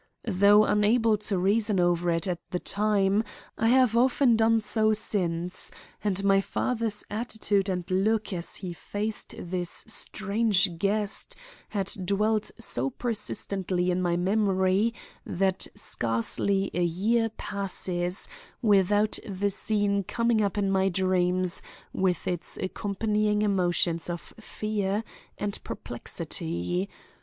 Though unable to reason over it at the time, I have often done so since, and my father's attitude and look as he faced this strange guest has dwelt so persistently in my memory that scarcely a year passes without the scene coming up in my dreams with its accompanying emotions of fear and perplexity.